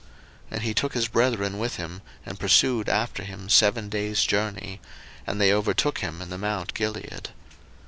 01:031:023 And he took his brethren with him, and pursued after him seven days' journey; and they overtook him in the mount Gilead.